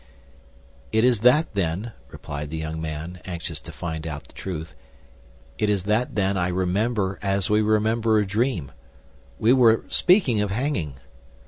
"It is that, then," replied the young man, anxious to find out the truth, "it is that, then, I remember as we remember a dream. We were speaking of hanging."